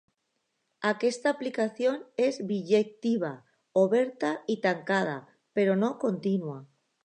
Aquesta aplicació és bijectiva, oberta i tancada, però no contínua.